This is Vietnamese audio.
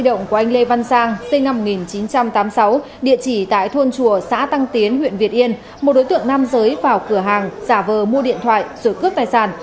địa chỉ tại thôn chùa xã tăng tiến huyện việt yên một đối tượng nam giới vào cửa hàng giả vờ mua điện thoại sửa cướp tài sản